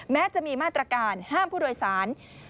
แม้จะมีมาตรการห้ามผู้โดยสาร